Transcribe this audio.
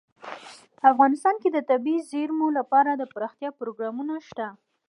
افغانستان کې د طبیعي زیرمې لپاره دپرمختیا پروګرامونه شته.